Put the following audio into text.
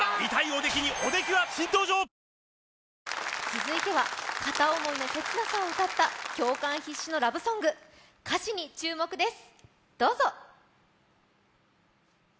続いては片想いの切なさを歌った共感必至のラブソング歌詞に注目です